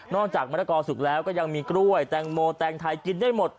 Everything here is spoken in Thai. จากมะละกอสุกแล้วก็ยังมีกล้วยแตงโมแตงไทยกินได้หมด